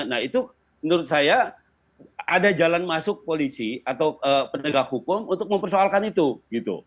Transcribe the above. nah itu menurut saya ada jalan masuk polisi atau penegak hukum untuk mempersoalkan itu gitu